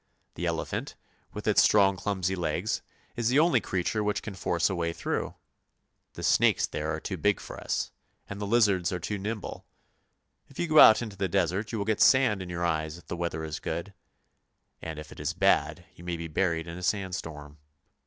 The elephant, with its strong clumsy legs, is the only creature which can force a way through. The snakes there are too big for us, and the lizards are too nimble. If you go out into the desert you will get sand in your eyes if the weather is good, and if it is bad you may be buried in a sandstorm.